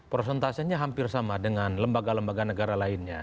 prosentasenya hampir sama dengan lembaga lembaga negara lainnya